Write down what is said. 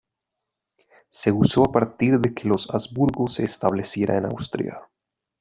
Se uso a partir de que los Habsburgo se estableciera en Austria.